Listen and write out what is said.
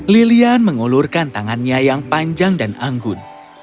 lilian mengulurkan tangannya yang panjang dan anggun